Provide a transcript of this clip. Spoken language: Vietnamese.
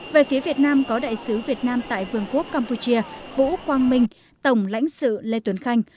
về phía việt nam có đại sứ việt nam tại vương quốc campuchia vũ quang minh tổng lãnh sự lê tuấn khanh